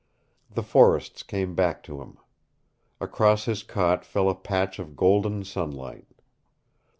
The forests came back to him. Across his cot fell a patch of golden sunlight.